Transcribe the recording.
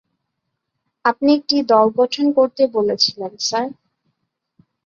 আপনি একটা দল গঠন করতে বলেছিলেন, স্যার।